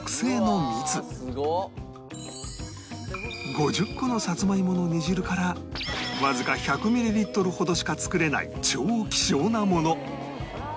５０個のさつまいもの煮汁からわずか１００ミリリットルほどしか作れない超希少なもの